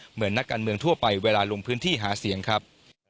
เหมือนนักการเมืองทั่วไปเวลาลงพื้นที่หาเสียงครับ